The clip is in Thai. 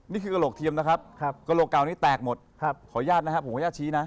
นี่คือกระโหลกเทียมนะครับกระโหลกเก่านี้แตกหมดขออนุญาตนะครับผมขออนุญาตชี้นะ